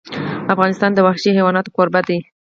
افغانستان د وحشي حیوانات کوربه دی.